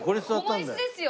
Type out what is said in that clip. この椅子ですよ。